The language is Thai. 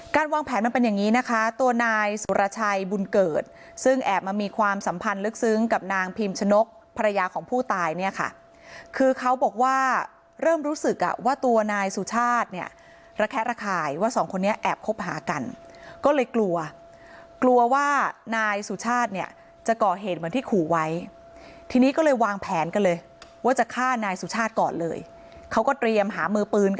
วางแผนมันเป็นอย่างนี้นะคะตัวนายสุรชัยบุญเกิดซึ่งแอบมามีความสัมพันธ์ลึกซึ้งกับนางพิมชนกภรรยาของผู้ตายเนี่ยค่ะคือเขาบอกว่าเริ่มรู้สึกอ่ะว่าตัวนายสุชาติเนี่ยระแคะระข่ายว่าสองคนนี้แอบคบหากันก็เลยกลัวกลัวว่านายสุชาติเนี่ยจะก่อเหตุเหมือนที่ขู่ไว้ทีนี้ก็เลยวางแผนกันเลยว่าจะฆ่านายสุชาติก่อนเลยเขาก็เตรียมหามือปืนก